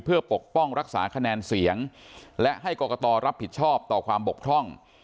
เพื่อปกป้องรักษาคะแนนเสียงและให้กรกตรับผิดชอบต่อความบกพร่อง